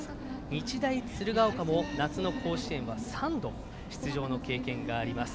日大鶴ヶ丘も夏の甲子園は３度出場の経験があります。